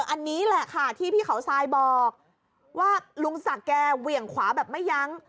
อันนี้แหละค่ะที่พี่เขาทรายบอกว่าลุงศักดิ์แกเหวี่ยงขวาแบบไม่ยั้ง